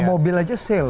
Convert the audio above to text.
sampai mobil aja sale